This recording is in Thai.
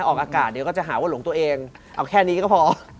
ออกอากาศเดี๋ยวก็จะหาว่าหลงตัวเองเอาแค่นี้ก็พอ